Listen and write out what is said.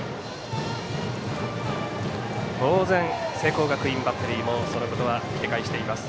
当然、聖光学院バッテリーもそのことは警戒しています。